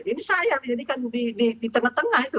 ini saya dijadikan di tengah tengah itu